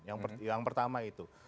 yang pertama itu